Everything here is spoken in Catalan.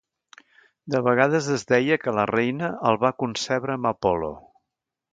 De vegades es deia que la reina el va concebre amb Apol·lo.